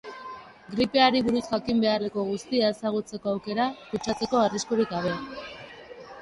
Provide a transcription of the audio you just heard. Gripeari buruz jakin beharreko guztia ezagutzeko aukera, kutsatzeko arriskurik gabe.